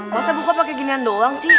masa buka pakai ginian doang sih